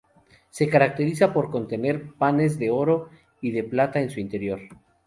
Se caracteriza por contener panes de oro y de plata en su interior.